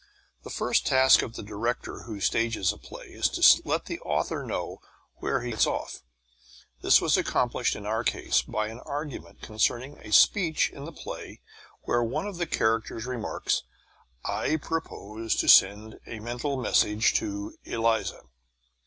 The first task of the director who stages a play is to let the author know where he gets off. This was accomplished in our case by an argument concerning a speech in the play where one of the characters remarks, "I propose to send a mental message to Eliza."